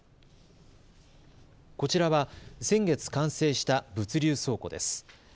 こちらは先月完成した物流倉庫です。